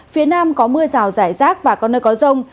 phía nam có mưa rào rải rác và có nơi có rông